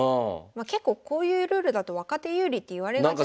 結構こういうルールだと若手有利っていわれがちなんですけど。